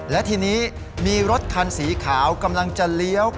และทีนี้มีรถคันสีขาวกำลังจะเลี้ยว